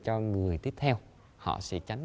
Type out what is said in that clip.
cho người tiếp theo họ sẽ tránh